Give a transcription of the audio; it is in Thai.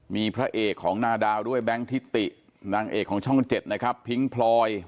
มีพระเอกของนาดาวด้วยแบงค์ทิตินางเอกของช่อง๗นะครับพิ้งพลอย